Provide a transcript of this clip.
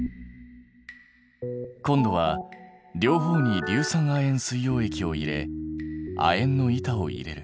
今度は両方に硫酸亜鉛水溶液を入れ亜鉛の板を入れる。